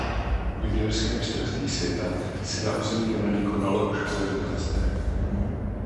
Juniorské mistrovství světa se na území Kanady konalo už po jedenácté.